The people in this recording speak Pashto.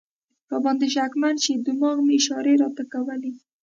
را باندې شکمن شي، دماغ مې اشارې راته کولې.